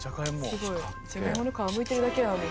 すごいわ。